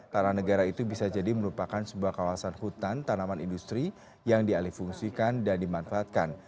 tanah negara itu bisa jadi merupakan sebuah kawasan hutan tanaman industri yang dialih fungsikan dan dimanfaatkan